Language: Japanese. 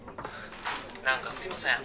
何かすいません